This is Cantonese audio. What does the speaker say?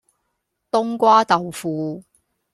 冬瓜豆腐